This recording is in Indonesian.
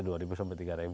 itu rp dua sampai rp tiga